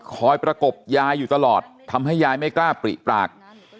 ประกบยายอยู่ตลอดทำให้ยายไม่กล้าปริปาก